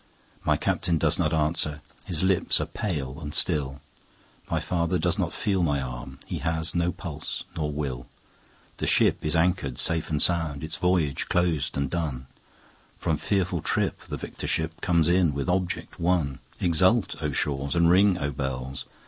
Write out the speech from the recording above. My Captain does not answer, his lips are pale and still, My father does not feel my arm, he has no pulse nor will; The ship is anchor'd safe and sound, its voyage closed and done, From fearful trip the victor ship comes in with object won; 20 Exult, O shores! and ring, O bells!